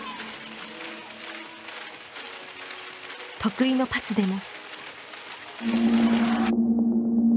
得意のパスでも。